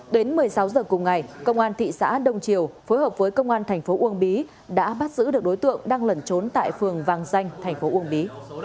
đến một mươi sáu giờ cùng ngày công an thị xã đông triều phối hợp với công an thành phố uông bí đã bắt giữ được đối tượng đang lẩn trốn tại phường vàng danh thành phố uông bí